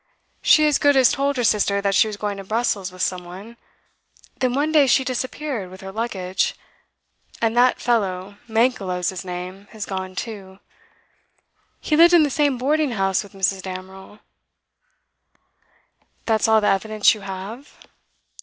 'She as good as told her sister that she was going to Brussels with some one. Then one day she disappeared, with her luggage. And that fellow Mankelow's his name has gone too. He lived in the same boarding house with Mrs. Damerel.' 'That is all the evidence you have?